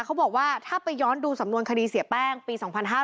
เขาบอกว่าถ้าไปย้อนดูสำนวนคดีเสียแป้งปี๒๕๕๙